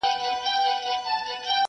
راښكاره سوې سرې لمبې ياغي اورونه!!